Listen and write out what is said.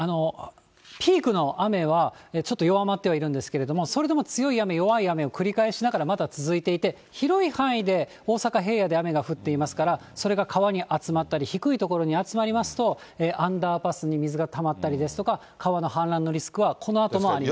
ピークの雨は、ちょっと弱まってはいるんですけれども、それでも強い雨、弱い雨を繰り返しながら、まだ続いていて、広い範囲で、大阪平野で雨が降っていますから、それが川に集まったり、低い所に集まりますと、アンダーパスに水がたまったりですとか、川の氾濫のリスクはこのあともあります。